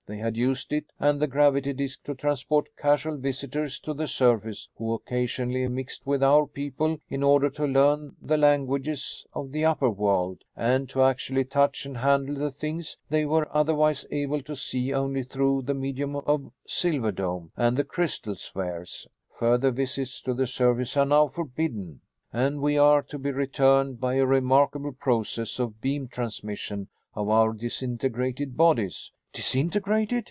They had used it and the gravity disc to transport casual visitors to the surface, who occasionally mixed with our people in order to learn the languages of the upper world and to actually touch and handle the things they were otherwise able to see only through the medium of Silver Dome and the crystal spheres. Further visits to the surface are now forbidden, and we are to be returned by a remarkable process of beam transmission of our disintegrated bodies." "Disintegrated?"